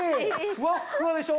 ふわっふわでしょ？